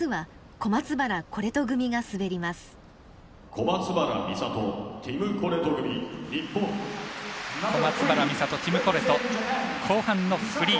小松原美里ティムコルト後半のフリー。